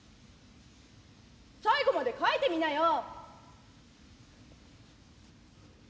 『最後まで書いてみなよ』」。